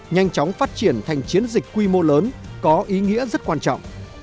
nhanh chóng phát triển thành chiến dịch quy mô lớn có ý nghĩa rất quan trọng